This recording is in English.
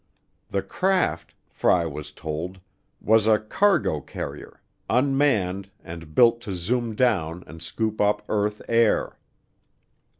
The craft, Fry was told, was a "cargo carrier," unmanned and built to zoom down and scoop up earth air.